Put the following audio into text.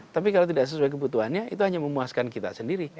tapi kalau tidak sesuai kebutuhannya itu hanya memuaskan kita sendiri